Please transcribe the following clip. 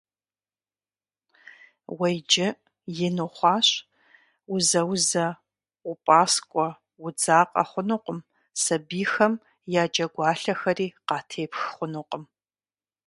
Уэ иджы ин ухъуащ, узаузэ, упӏаскӏуэ, удзакъэ хъунукъым, сабийхэм я джэгуалъэхэри къатепх хъунукъым.